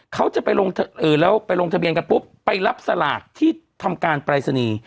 เขาจะไปลงแล้วไปลงทะเบียนกันปุ๊บไปรับสลากที่ทำการปรายศนีย์